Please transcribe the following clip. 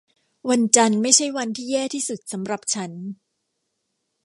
วันจันทร์ไม่ใช่วันที่แย่ที่สุดสำหรับฉัน